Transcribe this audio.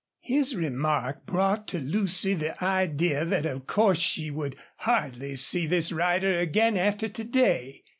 His remark brought to Lucy the idea that of course she would hardly see this rider again after to day.